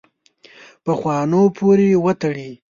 پخوانو پورې وتړي.